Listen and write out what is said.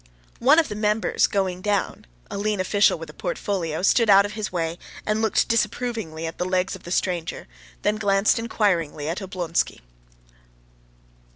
One of the members going down—a lean official with a portfolio—stood out of his way and looked disapprovingly at the legs of the stranger, then glanced inquiringly at Oblonsky.